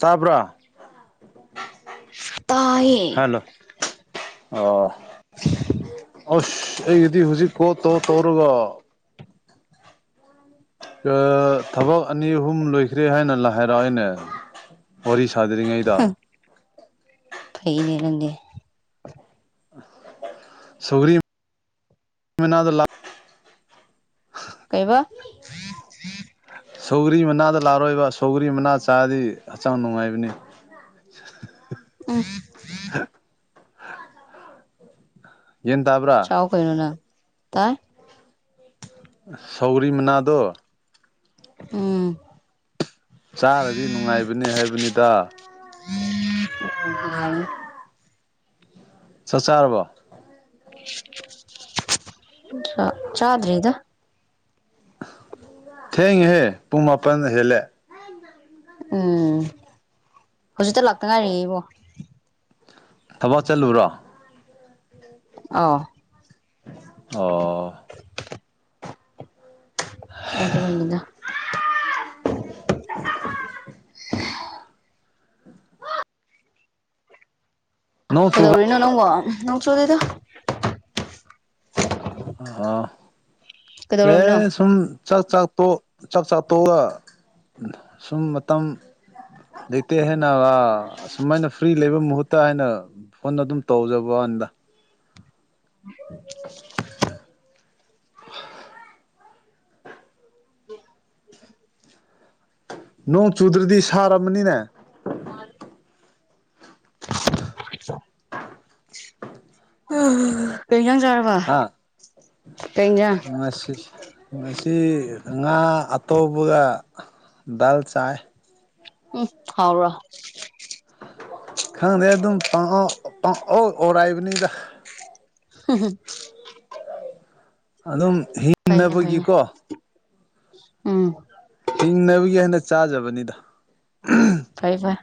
ꯇꯥꯕ꯭ꯔꯥ ꯇꯌꯦ ꯍꯜꯂꯣ ꯑꯣ [unintelligible] ꯑꯁ ꯑꯩꯒꯤꯗꯤ ꯍꯧꯖꯤꯛ ꯀꯣ ꯇꯣ ꯇꯧꯔꯒ ꯊꯕꯛ ꯑꯅꯤ ꯑꯍꯨꯝ ꯂꯣꯏꯈ꯭ꯔꯦ ꯍꯥꯏꯅ ꯂ ꯍꯥꯏꯔꯛꯑꯣ ꯑꯩꯅ ꯋꯥꯔꯤ ꯊꯥꯗ꯭ꯔꯤꯉꯩꯗ ꯀꯩꯅꯦꯔꯒꯦ ꯁꯨꯒꯔꯤ ꯃꯗ ꯂꯥꯛ ꯀꯩꯕ ꯁꯧꯒꯔꯤ ꯃꯅꯥꯗ ꯂꯥꯛꯔꯣꯏꯕ ꯁꯧꯒꯔꯤ ꯃꯅꯥ ꯆꯥꯗꯤ ꯍꯛꯆꯥꯡ ꯅꯨꯡꯉꯥꯏꯕꯅꯤ [unintelligible] ꯎꯝ ꯎ ꯌꯦꯟ ꯇꯥꯕ꯭ꯔꯥ ꯆꯥꯎ ꯀꯩꯅꯣꯅ ꯇꯥꯏ ꯁꯧꯔꯤ ꯃꯗ ꯎꯝ ꯆꯥꯔꯗꯤ ꯅꯨꯡꯉꯥꯏꯕꯅꯤ ꯍꯥꯏꯕꯅꯤꯗ ꯑꯣ ꯋꯥꯅ ꯁꯁꯔꯔꯕꯣ ꯆ ꯆꯥꯗ꯭ꯔꯔꯤ ꯏꯗ ꯊꯦꯡꯉꯍꯦ ꯄꯨꯡ ꯃꯥꯄꯜ ꯍꯦꯜꯂꯦ ꯎꯝ ꯍꯧꯖꯤꯛꯇ ꯂꯥꯛꯇ ꯉꯥꯏꯔꯤꯉꯩ ꯏꯕꯣ ꯊꯕꯛ ꯆꯠꯂꯨꯔꯣ ꯑ ꯑꯣ ꯑꯗꯨꯖꯔꯅꯤꯗ ꯅꯣꯡ ꯆꯨꯕ ꯀꯩꯗꯧꯔꯤꯅꯣ ꯅꯪꯉꯣ ꯅꯪꯁꯨꯨꯗꯦꯗ ꯑ ꯁ ꯀꯩꯗꯧꯔꯝꯃꯤꯅꯣ ꯁ ꯆꯥꯛ ꯆꯥꯛ ꯆꯥꯛ ꯆꯥꯛ ꯇꯣꯛꯑꯒ ꯁꯨꯝ ꯃꯇꯝ ꯗꯇ ꯍ ꯅ ꯑꯁꯨꯃꯥꯏꯅ ꯐ꯭ꯔꯤ ꯂꯩꯕ ꯃꯍꯨꯠꯇ ꯍꯥꯏꯅ ꯐꯣꯟ ꯑꯗꯨꯝ ꯇꯧꯖꯕꯥꯟꯗ [inaudible] [inaudible] ꯅꯣꯡ ꯆꯨꯗ꯭ꯔꯗꯤ ꯁꯥꯔꯝꯃꯅꯤꯅꯦ ꯑꯣ ꯍ ꯄꯦꯡꯖꯥꯡ ꯆꯥꯔꯕ ꯍꯥ ꯄꯦꯡꯖꯥꯡ ꯉꯁꯤ ꯉꯁꯤ ꯉꯥ ꯑꯇꯣꯕꯒ ꯗꯥꯜ ꯆꯥꯏ ꯎꯝ ꯍꯥꯎꯕ ꯈꯪꯗꯦ ꯑꯗꯨꯝ ꯄ ꯑꯣꯔꯥꯏꯕꯅꯤꯗ ꯍꯍ ꯑꯗꯨꯝ ꯍꯤꯡꯅꯕꯒꯤꯀꯣ ꯎꯝ ꯍꯤꯡꯅꯕꯒꯤ ꯍꯅ ꯆꯥꯖꯕꯅꯤꯗ ꯐꯩ ꯐꯩ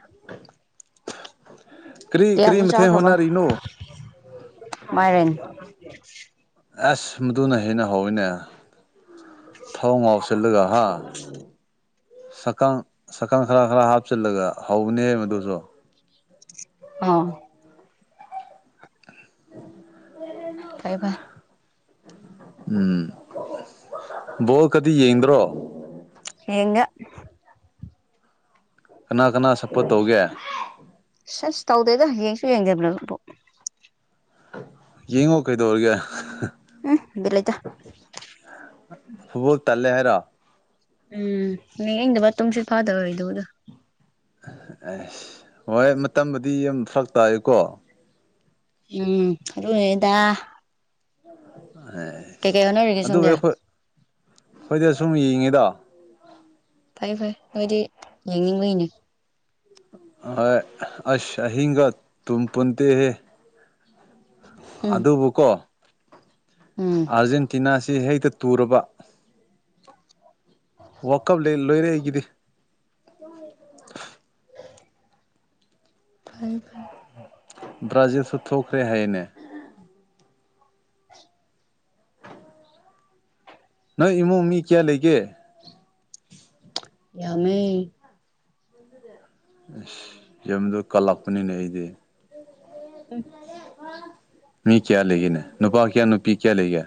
[inaudible] ꯀꯔꯤ ꯀꯔꯤ ꯀꯌꯥꯝꯅꯤ ꯃꯊꯦꯜ ꯆꯥꯈ꯭ꯔꯕ ꯍꯣꯠꯅꯔꯤꯅꯣ ꯃꯥꯏꯔꯦꯟ ꯑꯁ ꯃꯗꯨꯅ ꯍꯦꯟꯅ ꯍꯧꯋꯏꯅꯦ ꯊꯥꯎꯉꯥꯎꯁꯦꯂ ꯍꯥ ꯁꯀꯪ ꯁꯛꯀꯪ ꯈꯔ ꯈꯔ ꯍꯥꯞꯆꯜꯂꯒ ꯍꯧꯕꯅꯦ ꯃꯗꯨꯁꯨ ꯑꯥ ꯐꯥꯏ ꯐꯥꯏ ꯎꯝ ꯕꯣꯜꯀꯗꯤ ꯌꯦꯡꯗ꯭ꯔꯣ ꯌꯦꯉ ꯀꯅꯥ ꯀꯅꯥ ꯁꯛꯄ ꯇꯧꯒꯦ ꯁꯁ ꯇꯧꯗꯣꯏꯗꯣ ꯌꯦꯡꯁꯨ ꯌꯦꯡꯗꯕꯅꯣ ꯌꯦꯡꯉꯣ ꯀꯩꯗꯎꯔꯒ ꯎꯝ ꯂꯦꯗ ꯇꯥꯎ ꯎꯝ ꯌꯦꯗ ꯃꯠꯇꯣꯝꯁꯤ ꯐꯥꯗ ꯑꯣꯏꯣꯏꯗ ꯎꯗ ꯑ ꯍꯣꯏ ꯃꯇꯝꯕꯨꯗꯤ ꯌꯥꯝ ꯐꯔꯛ ꯇꯥꯏꯀꯣ ꯎꯝ ꯔꯨꯍꯤꯗ ꯎꯝ ꯀꯩ ꯀꯩ ꯍꯣꯠꯅꯔꯤꯒꯦ ꯁꯣꯟꯗꯤ ꯑꯩꯈꯣꯏꯗꯤ ꯁꯨꯝ ꯌꯦꯡꯉꯤꯗ ꯐꯩ ꯐꯩ ꯅꯣꯏꯗꯤ ꯌꯦꯡꯅꯤꯡꯕꯒꯤꯅꯦ ꯍ ꯑꯁ ꯍꯒ ꯇꯨꯝ ꯄꯨꯟꯇ ꯍꯦ ꯑꯗꯨ ꯎꯝ ꯑꯗꯨꯕꯨꯀꯣ ꯎꯝ ꯑꯥꯔꯖꯦꯟꯇꯤꯅꯥꯁꯤ ꯍꯦꯛꯇ ꯇꯨꯔꯕ ꯋꯥꯀꯞ ꯂꯣꯏꯔꯦ ꯑꯩꯒꯤꯗꯤ ꯐꯔꯦ ꯐꯔꯦ ꯕ꯭ꯔꯥꯖꯤꯜꯁꯨ ꯊꯣꯛꯈ꯭ꯔꯦ ꯍꯥꯏꯅꯦ ꯅꯣꯏ ꯏꯃꯨꯡ ꯃꯤ ꯀꯌꯥ ꯂꯩꯒꯦ ꯌꯥꯃꯦ ꯑꯁ ꯌꯗꯣ ꯀꯜꯂꯛꯄꯅꯤꯅ ꯑꯩꯗꯤ ꯎꯝ ꯃꯤ ꯀꯌꯥ ꯂꯩꯒꯦꯅꯦ ꯅꯨꯄꯥ ꯀꯌꯥ ꯅꯨꯄꯤ ꯀꯌꯥ ꯂꯩꯒ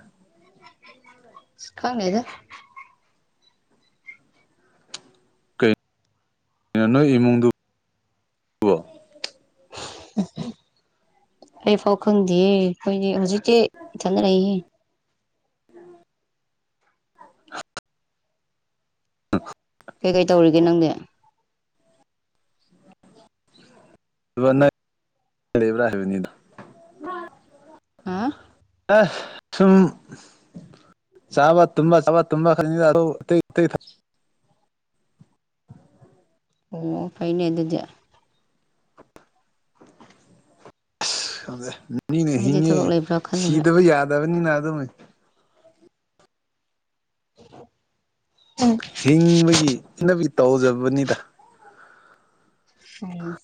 ꯁꯤ ꯀꯅꯤꯗ ꯀꯩꯅꯣ ꯅꯣꯏ ꯏꯃꯨꯡꯗꯨ ꯑꯩꯐꯥꯎ ꯈꯪꯗꯦ ꯑꯩꯈꯣꯏꯗꯤ ꯍꯧꯖꯤꯛꯤ ꯆꯠꯅꯔꯛꯏ [inaudible] ꯀꯩꯀꯩ ꯇꯧꯔꯤꯒꯦ ꯅꯪꯗꯤ ꯅꯪ ꯂꯩꯕ꯭ꯔꯥ ꯍꯥꯏꯕꯅꯤꯗ ꯑ ꯑ ꯁꯨꯝ ꯆꯕ ꯇ ꯆꯕ ꯇ ꯈ [inaudible] ꯑꯣ ꯐꯩꯅꯦ ꯑꯗꯨꯗꯤ ꯑꯁ ꯃꯤꯅꯦ ꯑꯩꯗꯤ ꯍꯤꯡꯉꯦ ꯊꯕꯛ ꯂꯩꯕ꯭ꯔꯥ ꯈꯜꯂꯨꯔꯦ ꯁꯤꯗꯕ ꯌꯥꯗꯕꯅꯤꯅ ꯑꯗꯨꯝ [inaudible] ꯍꯤꯡꯕꯒꯤ ꯏꯩꯅꯕꯤ ꯇꯧꯖꯕꯅꯤꯗ ꯎꯝ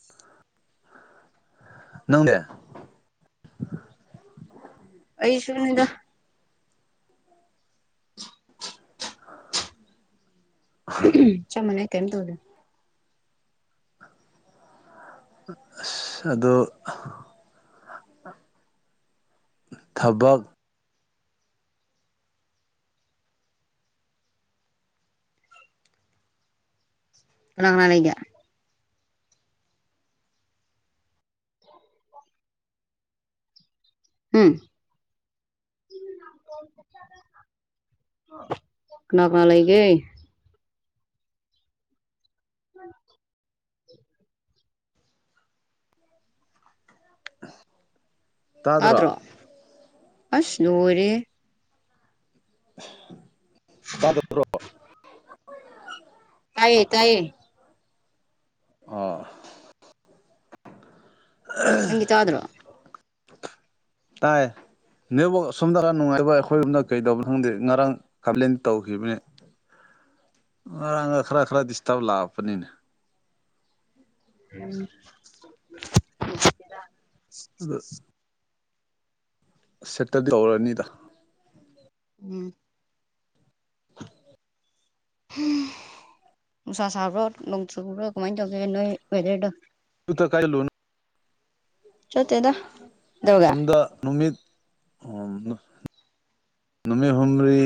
ꯅꯪꯒꯦ ꯑꯩꯁꯨꯅꯤꯗ ꯆꯃꯅ ꯍꯥꯏꯇꯅ ꯇꯧꯗ ꯑ ꯑꯗꯣ ꯊꯕꯛ ꯎꯅ ꯂꯩꯒ ꯎꯝ ꯀꯅꯥ ꯀꯅꯥ ꯂꯩꯒꯦ ꯎꯝ ꯇꯥꯗ꯭ꯔ ꯑꯁꯅꯔꯤ ꯇꯗ꯭ꯔꯣ ꯇꯥꯏꯌꯦ ꯇꯥꯏꯌꯦ ꯑꯥ ꯅꯪꯒ ꯆ꯭ꯔꯣ ꯇꯥꯏ ꯅꯕꯨ ꯁꯣꯝꯗ ꯈꯔ ꯅꯨꯡꯉꯥꯏꯕ ꯑꯩꯈꯣꯏ ꯑꯝꯗ ꯀꯩꯗꯧꯕꯣ ꯈꯪꯗꯦ ꯉꯔꯥꯡ ꯀꯝꯄ꯭ꯂꯦꯟ ꯇꯧꯈꯤꯕꯅꯦ ꯉꯥꯡ ꯈꯔ ꯈꯔ ꯗꯤꯁꯇꯥꯔꯕ ꯂꯥꯛꯄꯅꯤꯅ ꯎꯝ ꯁꯦꯠꯇꯗꯤ ꯇꯧꯔꯅꯤꯗ ꯎꯝ [inaudible] ꯅꯨꯡꯁꯥ ꯁꯥꯕ꯭ꯔꯣ ꯅꯣꯡ ꯆꯨꯕ꯭ꯔꯣ ꯀꯃꯥꯏꯅ ꯇꯧꯒꯦ ꯅꯣꯏ ꯋꯦꯗꯔꯗꯣ ꯇꯨꯗ ꯀꯥꯏ ꯂꯣꯟ ꯆꯣꯇꯗ ꯁꯣꯝꯗ ꯅꯨꯃꯤꯠ ꯑꯣ ꯅꯃꯤ ꯍꯨꯝꯔꯤ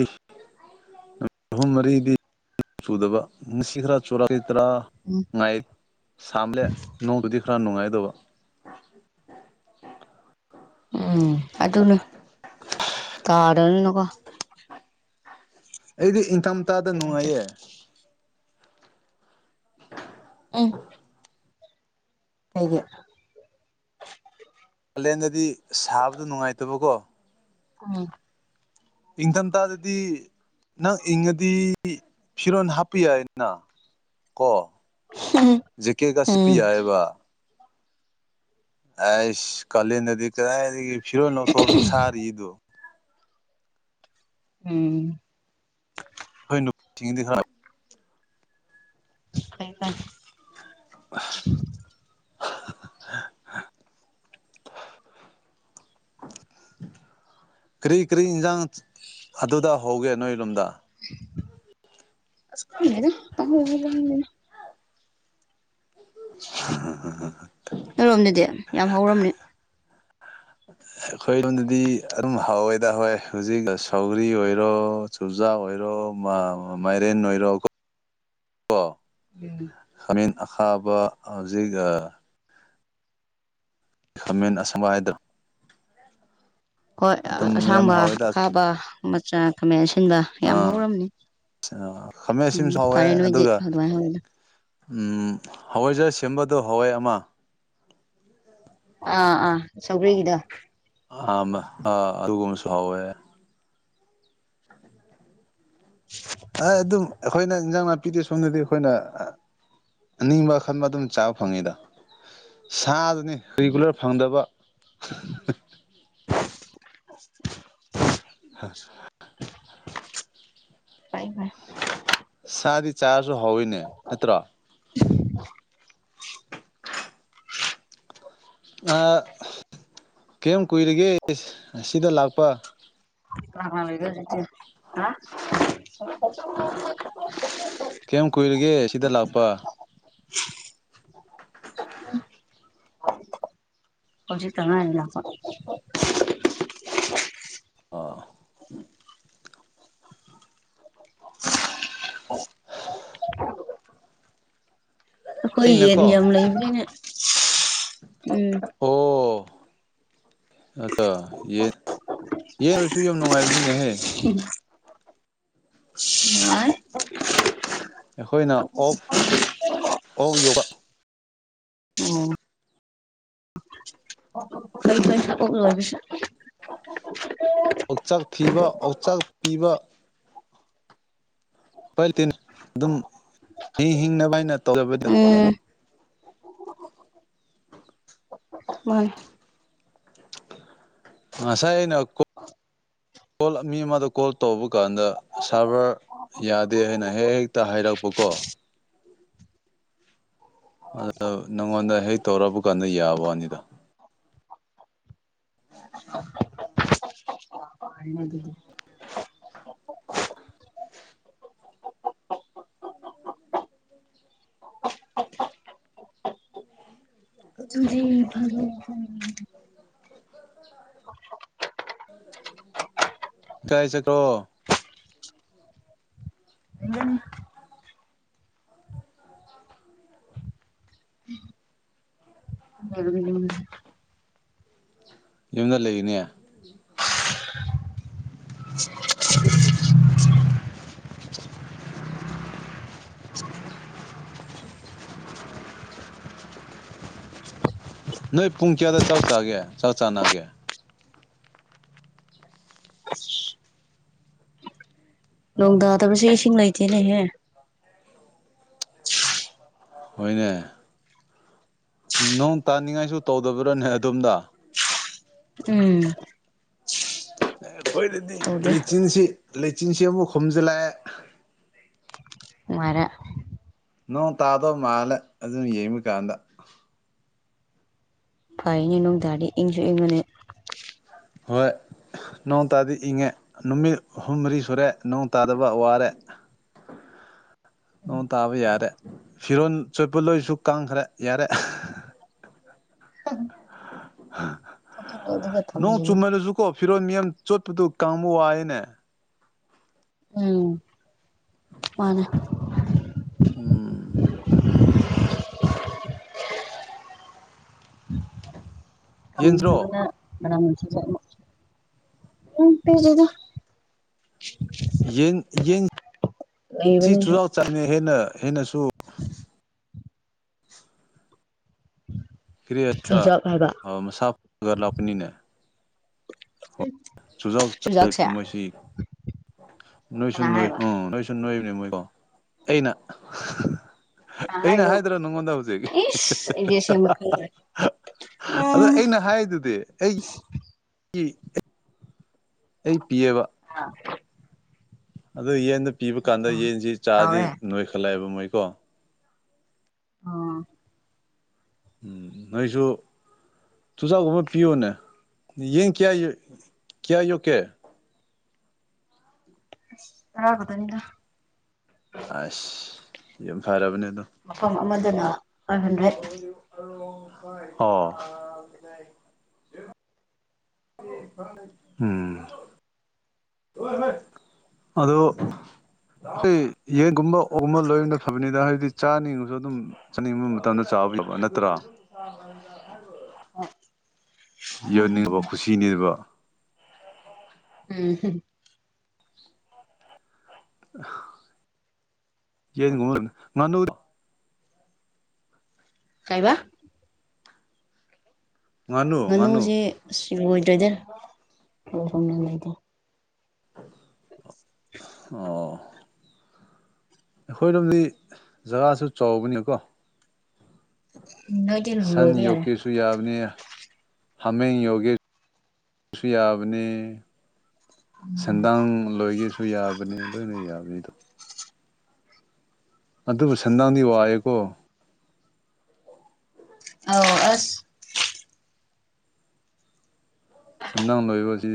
ꯅꯨꯃꯤꯠ ꯑꯍꯨꯝ ꯃꯔꯤꯗꯤ ꯆꯨꯗꯕ ꯉꯁꯤ ꯈꯔ ꯆ ꯇ꯭ꯔ ꯎꯝ ꯉꯥꯏ ꯁꯝꯂꯦ ꯅꯣꯡꯗꯨꯗꯤ ꯈꯔ ꯅꯨꯡꯉꯥꯏ ꯑꯗꯨꯒ ꯎꯝ ꯑꯗꯨꯗꯅ ꯇꯥꯔꯅꯤꯅꯀꯣ ꯑꯩꯗꯤ ꯏꯪꯊꯝꯊꯥꯗ ꯅꯨꯡꯉꯥꯏꯌꯦ ꯑ ꯑꯩꯡ ꯀꯂꯦꯟꯗꯗꯤ ꯁꯥꯕꯗꯨ ꯅꯨꯡꯉꯥꯏꯇꯕꯀꯣ ꯎꯝ ꯏꯪꯊꯝꯊꯥꯗꯗꯤ ꯅꯪ ꯏꯪꯉꯗꯤ ꯐꯤꯔꯣꯟ ꯍꯥꯞꯄꯤ ꯌꯥꯏꯅ ꯀꯣ ꯀꯦ ꯀꯁꯤꯄꯤ ꯎꯝ ꯌꯥꯑꯕ ꯑꯁ ꯀꯂꯦꯟ ꯅꯗꯤ ꯀ ꯐꯤꯔꯣ ꯅ ꯊꯧꯁꯨ ꯁꯔꯤ ꯏꯗꯨ ꯎꯝ ꯍꯣꯏ ꯅꯨꯗꯤ ꯈꯅ [inaudible] ꯀꯩꯗ ꯑ [inaudible] ꯀꯔꯤ ꯀꯔꯤ ꯏꯟꯁꯥꯡ ꯑꯗꯨꯗ ꯍꯧꯒꯦ ꯅꯣꯏ ꯂꯣꯝꯗ ꯑꯅ [inaudible] [inaudible] ꯅꯔꯣꯝꯗꯗꯤ ꯌꯥꯝ ꯍꯧꯔꯝꯅꯤ ꯑꯩꯈꯣꯏ ꯂꯣꯟꯗꯗꯤ ꯑꯗꯨꯝ ꯍꯥꯎꯋꯦꯗ ꯍꯦ ꯍꯧꯖꯤꯛ ꯁꯧꯒꯔꯤ ꯑꯣꯏꯔꯣ ꯆꯨꯖꯥꯛ ꯑꯣꯏꯔꯣ ꯑꯣ ꯃꯥꯏꯔꯦꯟ ꯅꯣꯏꯔꯣ ꯀꯣ ꯎꯝ ꯃꯦꯟ ꯑꯈꯥꯕ ꯍꯧꯖꯤꯛ ꯈꯃꯦꯟ ꯑꯁꯪꯕꯥꯥꯏꯗ꯭ꯔ ꯍꯣꯏ ꯃꯌꯥꯝ ꯑꯁꯥꯡꯕ ꯍꯥꯎꯋꯦꯗ ꯑꯈꯥꯕ ꯃꯆꯥ ꯀꯃꯦꯟꯁ ꯁꯤꯤꯢꯟꯕ ꯌꯥꯝ ꯑꯥ ꯍꯧꯔꯝꯅꯤ ꯈꯥꯃꯦꯟ ꯎꯝ ꯑꯁꯤꯟꯕꯁꯨ ꯐꯔꯦ ꯅꯣꯏꯗꯤ ꯑꯗꯨꯃꯥꯏꯅ ꯍꯧꯋꯗ ꯎ ꯍꯋꯥꯏꯖꯥ ꯁꯦꯝꯕꯗꯣ ꯍꯋꯥꯏ ꯑꯃ ꯑꯥ ꯑꯥ ꯁꯒꯔꯤ ꯀꯤꯗ ꯑ ꯑꯔꯨꯕꯨꯝ ꯁꯍꯕ ꯍ ꯑꯗꯨꯝ ꯑꯩꯈꯣꯏꯅ ꯏꯟꯖꯥꯡ ꯅꯥꯄꯤꯗꯤ ꯁꯣꯝꯗꯗꯤ ꯑꯩꯈꯣꯏꯅ ꯑꯅꯤꯡꯕ ꯈꯟꯕ ꯑꯗꯨꯝ ꯆꯥꯕ ꯐꯪꯉꯤꯗ ꯁꯥ ꯔꯤꯒꯨꯂꯔ ꯐꯪꯗꯕ [unintelligible] ꯍꯥ [inaudible] ꯥꯏ ꯐꯥꯏ ꯁꯥꯗꯤ ꯆꯥꯁꯨ ꯍꯣꯏꯅꯦ ꯅꯠꯇ꯭ꯔꯣ [inaudible] ꯑ ꯀꯔꯤꯝ ꯀꯨꯏꯔꯤꯒꯦ ꯑꯁꯤꯗ ꯂꯥꯛꯄ ꯂꯩꯒ [inaudible] ꯀꯩꯝ ꯀꯨꯏꯔꯒꯦ ꯁꯤꯗ ꯂꯥꯛꯄ ꯎꯝ ꯍꯧꯖꯤꯛ ꯇꯃꯦ ꯂꯥꯛ ꯑ [unintelligible] ꯑꯩꯈꯣꯏ ꯌꯦꯟ ꯑꯩꯅꯀꯣ ꯌꯥꯝ ꯂꯩꯕꯅꯤꯅ ꯎꯝ ꯑꯇ ꯌꯦ ꯌꯦ ꯑꯣꯏꯁꯨ ꯌꯥꯝ ꯅꯨꯡꯉꯥꯏꯕꯅꯤꯅꯦꯍꯦ ꯑ ꯑꯩꯈꯣꯏꯅ ꯑꯣꯛ ꯑꯣꯛ ꯌꯣꯧꯕ ꯑꯣ ꯂꯕꯤꯁ ꯑꯣꯛꯆꯥꯛ ꯊꯤꯕ ꯑꯣꯛꯆꯥꯛ ꯄꯤꯕ ꯍꯣꯏꯇꯤꯅꯦ ꯑꯗꯨꯝ ꯍꯤꯡ ꯍꯤꯡꯅꯕ ꯍꯥꯏꯅ ꯇꯧꯖꯕꯗ [inaudible] ꯃꯥ ꯑꯁꯥꯏ ꯅ ꯀꯣꯜ ꯃꯤ ꯑꯃꯗ ꯀꯣꯜ ꯇꯧꯕ ꯀꯥꯟꯗ ꯁꯥꯔꯚꯔ ꯌꯥꯗꯦ ꯍꯥꯏꯅ ꯍꯦꯛ ꯍꯦꯛꯇ ꯍꯥꯏꯔꯛꯄꯀꯣ ꯑꯗꯨꯗ ꯅꯉꯣꯟꯗ ꯍꯦꯛ ꯇꯧꯔꯕ ꯀꯥꯟꯗ ꯌꯥꯕ ꯋꯥꯅꯤꯗ ꯄꯅ ꯑꯗꯨꯗ [inaudible] ꯎꯝ ꯎꯝ ꯀꯥꯏ ꯁꯀ꯭ꯔꯣ ꯌꯨꯝꯗ ꯂꯩꯔꯤꯅꯦ [unintelligible] ꯅꯣꯏ ꯄꯨꯡ ꯀꯌꯥꯗ ꯆꯧ ꯆꯒꯦ ꯆꯧ ꯆꯥꯅꯅꯥꯒꯦ ꯂꯣꯡꯗꯥꯗꯕꯁ ꯏꯁꯤꯡꯅꯥꯏꯇꯦꯅꯦꯍꯦ ꯍꯅꯦ ꯅꯣꯡ ꯇꯥꯅꯤꯡꯉꯥꯏꯁꯨ ꯇꯧꯗꯕ꯭ꯔꯥꯅꯦ ꯑꯗꯣꯝꯗ ꯎꯝ ꯑꯦ ꯑꯩꯈꯣꯏꯔꯗꯤ ꯇꯧꯗꯦ ꯂꯩꯆꯤꯟꯁꯤ ꯂꯩꯆꯤꯟꯁꯤ ꯑꯃꯨꯛ ꯈꯣꯨꯝꯝꯖꯤꯜꯂꯛꯑꯦ ꯅꯨꯡꯉꯥꯏꯔꯦ ꯅꯣꯡ ꯇꯥꯗꯣ ꯃꯥꯂꯦ ꯑꯗꯨ ꯌꯦꯃꯤ ꯀꯥꯟꯗ ꯐꯩꯅꯦ ꯣꯡ ꯇꯥꯔꯗꯤ ꯏꯪꯁꯨ ꯏꯪꯉꯅꯤ ꯍꯣꯏ ꯅꯣꯡ ꯇꯥꯗꯤ ꯏꯪꯉꯦ ꯅꯨꯃꯤꯠ ꯍꯨꯝ ꯃꯔꯤ ꯁꯨꯔꯦ ꯅꯣꯡ ꯇꯥꯗꯕ ꯋꯥꯔꯦ ꯅꯣꯡ ꯇꯥꯕ ꯌꯥꯔꯦ ꯐꯤꯔꯣꯜ ꯆꯣꯠꯄ ꯂꯣꯏꯁꯨ ꯀꯪꯈ꯭ꯔꯦ ꯌꯥꯔꯦ ꯊꯣꯛꯆꯤꯜꯂꯣ ꯑꯗꯨꯒ ꯅꯣꯡ ꯊꯝꯖꯤꯜꯂꯣ ꯆꯨꯝꯃꯦꯥꯏ ꯂꯁꯨ ꯀꯣ ꯐꯤꯔꯣꯅꯤꯝ ꯆꯣꯠꯄꯗꯨ ꯀꯥꯃꯨ ꯍꯥꯏꯅꯦ ꯎꯝ ꯃꯥꯅꯦ ꯎꯝ ꯌꯦꯟꯗ꯭ꯔꯣ ꯑꯅ ꯎ ꯄꯗ ꯌꯦꯟ ꯌꯦꯟꯁꯤ ꯂꯩꯕꯅꯤꯁꯨ ꯆꯨꯔꯥꯛ ꯆꯥꯏꯅ ꯍꯦꯟꯅ ꯑꯩꯅꯁꯨ ꯀꯔꯤ ꯆꯨꯖꯥꯛ ꯍꯥꯏꯕ ꯁꯥꯐꯒꯔ ꯂ ꯄꯅꯤꯅ ꯆꯨꯖꯥꯎ ꯆ ꯆꯨꯖꯥꯛꯁꯦ ꯃꯣꯏꯁꯤ ꯅꯣꯏ ꯁꯣꯏ ꯀꯅꯥ ꯍꯥꯏꯕ ꯅꯣꯏ ꯁ ꯅꯣꯏ ꯑꯩꯅ ꯀꯅꯥ ꯑꯩꯅ ꯍꯥꯏꯅꯣ ꯍꯥꯏꯗ꯭ꯔꯣ ꯅꯉꯣꯟꯗ ꯍꯧꯖꯤꯛ ꯏꯁ ꯑꯩꯗꯤ ꯑꯁꯦꯡꯕ ꯈꯪꯗ꯭ꯔꯦ ꯑꯗ ꯎꯝ ꯑꯩꯅ ꯍꯥꯏꯗꯨꯗꯤ ꯑꯩ ꯑꯩ ꯄꯤꯑꯕ [unintelligible] ꯑꯗꯨ ꯌꯦꯟꯗ ꯄꯤꯕ ꯀꯥꯟꯗ ꯌꯦꯟꯁꯤ ꯆꯥꯗꯤ ꯆꯥꯎꯔꯦ ꯅꯣꯏꯈꯠꯂꯛꯑꯦꯕ ꯃꯣꯏꯀꯣ ꯑꯥ ꯅꯣꯏꯁꯨ ꯇꯨꯁꯒꯕ ꯄꯤꯣꯅ ꯌꯦ ꯀꯌꯥ ꯀꯌꯥ ꯌ ꯀꯦ ꯇ ꯀꯗꯅꯤꯗ ꯑꯁ ꯌꯥꯝꯨꯝ ꯐꯔꯥꯕꯅꯤ ꯃꯐꯝ ꯑꯃꯗꯅ ꯐꯥꯏꯚ ꯍꯟꯗ꯭ꯔꯦꯠ ꯑꯣ ꯎꯝ ꯑꯗ ꯑꯩ ꯌꯦꯟꯒꯨꯝꯕ ꯑꯣꯕ ꯂꯣꯏꯅ ꯐꯕꯅꯤꯗ ꯍꯥꯏꯕꯗꯤ ꯆꯥꯅꯤꯡꯉꯁꯨ ꯑꯗꯨꯝ ꯆꯥꯅꯤꯡꯕ ꯃꯇꯝꯗ ꯆꯥꯎ ꯅꯠꯇ꯭ꯔ ꯌꯣꯟꯅꯤꯡꯕ ꯈꯨꯁꯤꯅꯤꯕ ꯎꯝ ꯌꯦ ꯀꯨꯝꯔ ꯉꯥꯟꯅ ꯀꯥꯏꯕ ꯉꯥꯅꯨ ꯉꯥꯅꯨ ꯉꯥꯅꯨꯁꯦ ꯑꯁ ꯂꯣꯏꯗ꯭ꯔꯗ ꯂꯩꯦ ꯑꯣ ꯑꯩꯈꯣꯏꯔꯣꯝꯗꯤ ꯖꯒꯥꯁꯨ ꯆꯥꯎꯕꯅꯤꯀꯣ ꯅꯣꯏꯗꯤ ꯁꯟ ꯂꯣꯏꯕ ꯌꯥꯔꯦ ꯌꯣꯛꯀꯦꯁꯨ ꯌꯥꯕꯅꯤ ꯍꯥꯃꯦꯡ ꯌꯣꯒꯦꯁꯁꯨ ꯌꯥꯕꯅꯦ ꯁꯦꯟꯗꯥꯡ ꯂꯣꯏꯒꯦꯁꯨ ꯌꯥꯕꯅꯤ ꯂꯣꯏꯅ ꯌꯥꯕꯅꯤꯗꯣ ꯑꯗꯨꯕꯨ ꯁꯟꯗꯡꯗꯤ ꯋꯥꯑꯦꯀꯣ ꯑ ꯑꯁ ꯁꯤꯟꯗꯪ ꯂꯣꯏꯕꯁꯤ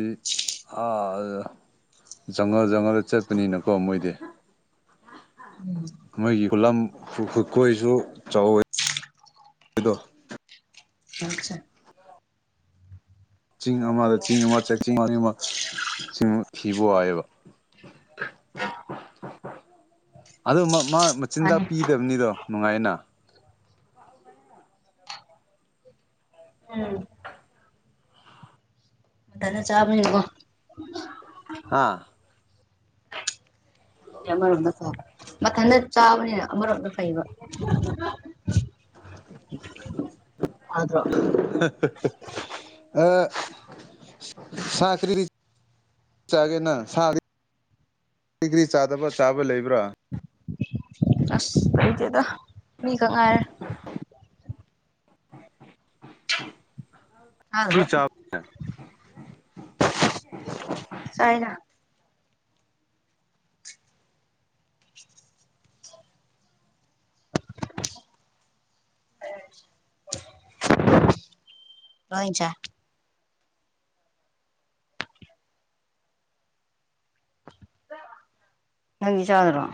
ꯖꯪꯒꯜ ꯖꯪꯒꯜꯗ ꯆꯠꯄꯅꯤꯅꯀꯣ ꯃꯣꯏꯗꯤ ꯎꯝ ꯈꯨꯠꯂꯝ ꯍꯨꯠꯀꯣꯏꯁꯨ ꯆꯥꯎꯋꯤꯗꯣ ꯑꯁꯦ ꯆꯤꯡ ꯑꯃꯗ ꯆꯤꯡ ꯑꯃ ꯆꯥꯛ ꯆꯤꯡ ꯑꯅꯤ ꯑꯃ ꯆꯤꯡ ꯊꯤꯕ ꯍꯥꯏꯑꯕ ꯑꯗ ꯃ ꯃꯥ ꯃꯆꯤꯟꯖꯥꯛ ꯃꯥꯅꯤ ꯄꯤꯗꯕꯅꯤꯗꯣ ꯅꯨꯡꯉꯥꯏꯅ ꯎꯝ ꯃꯊꯅ ꯆꯥꯕꯕꯣ ꯍꯥꯥ ꯑꯃꯔꯣꯝꯗ ꯆꯥꯕ ꯃꯊꯟꯇ ꯆꯥꯕꯅꯤꯅ ꯑꯃꯔꯣꯝꯗ ꯐꯩꯕ ꯐꯗ꯭ꯔꯣ [unintelligible] ꯑ ꯁꯀꯔꯤꯔꯤ ꯆꯒꯦꯅ ꯁ ꯔꯤꯒ꯭ꯔꯤ ꯆꯥꯗꯕ꯭ꯔꯥ ꯆꯥꯕ ꯂꯩꯕ꯭ꯔꯥ ꯑꯁ ꯂꯩꯗꯦꯗ ꯃꯤꯈ ꯉꯥꯏꯔꯦ [unintelligible] ꯑ ꯍꯨꯏ ꯆꯥ ꯁꯥꯏꯅꯥ ꯑ ꯂꯣꯏꯆꯥ ꯅꯪꯒꯤ ꯆꯥꯗꯔꯣ